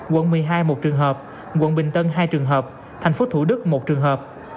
quận một mươi hai một trường hợp quận bình tân hai trường hợp thành phố thủ đức một trường hợp